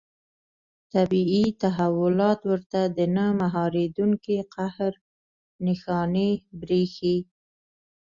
طبیعي تحولات ورته د نه مهارېدونکي قهر نښانې برېښي.